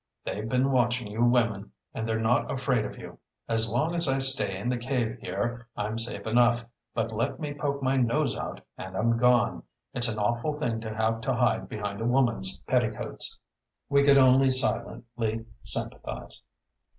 "They've been watching you women and they're not afraid of you. As long as I stay in the cave here I'm safe enough, but let me poke my nose out and I'm gone. It's an awful thing to have to hide behind a woman's petticoats!" We could only silently sympathize.